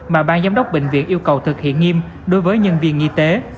mà ban giám đốc bệnh viện yêu cầu thực hiện nghiêm đối với nhân viên y tế